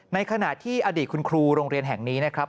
ในขณะที่อดีตคุณครูโรงเรียนแห่งนี้นะครับ